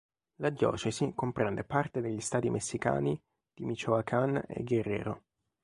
La diocesi comprende parte degli stati messicani di Michoacán e Guerrero.